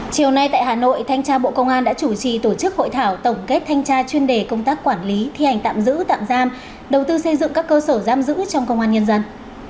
chiều nay tại hà nội thanh tra bộ công an đã chủ trì tổ chức hội thảo tổng kết thanh tra chuyên đề công tác quản lý thi hành tạm giữ tạm giam đầu tư xây dựng các cơ sở giam giữ trong công an nhân dân